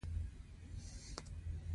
روهیال وروسته ایمیل ته را ولېږل.